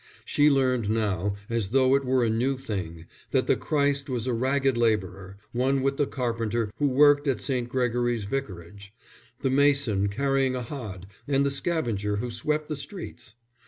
She learned now, as though it were a new thing, that the Christ was a ragged labourer, one with the carpenter who worked at St. Gregory's Vicarage, the mason carrying a hod, and the scavenger who swept the streets.